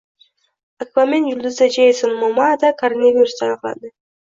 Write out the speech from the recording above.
Akvamen yulduzi Jeyson Momoada koronavirus aniqlandi